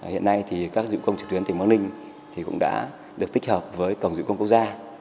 hiện nay các dịch vụ công trực tuyến tỉnh bắc ninh cũng đã được tích hợp với cổng dịch vụ công quốc gia